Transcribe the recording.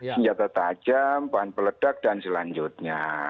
senjata tajam bahan peledak dan selanjutnya